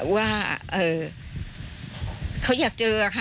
ว่าเขาอยากเจอค่ะ